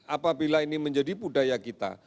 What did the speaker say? apabila ini menjadi budaya kita